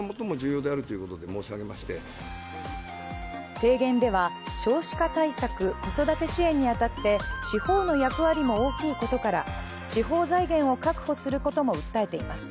提言では、少子化対策子育て支援に当たって地方の役割も大きいことから地方財源を確保することも訴えています。